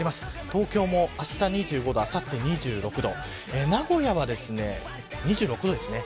東京もあした２５度あさって２６度名古屋は２６度ですね。